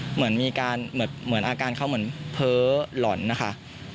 เหมือนอาการเขาเหมือนเพ้อหล่อนนะคะ